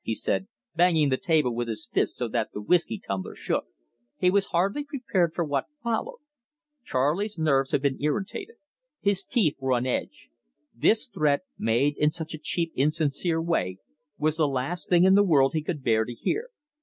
he said, banging the table with his fist so that the whiskey tumbler shook. He was hardly prepared for what followed. Charley's nerves had been irritated; his teeth were on edge. This threat, made in such a cheap, insincere way, was the last thing in the world he could bear to hear.